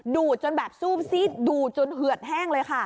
ดจนแบบซูมซีดดูดจนเหือดแห้งเลยค่ะ